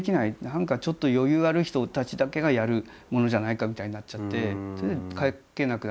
何かちょっと余裕ある人たちだけがやるものじゃないかみたいになっちゃってそれで描けなくなったんだよね。